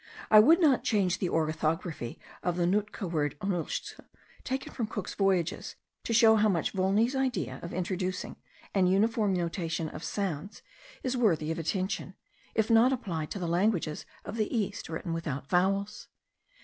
I would not change the orthography of the Nootka word onulszth, taken from Cook's Voyages, to show how much Volney's idea of introducing an uniform notation of sounds is worthy of attention, if not applied to the languages of the East written without vowels.